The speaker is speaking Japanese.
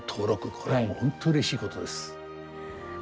これは本当うれしいことです。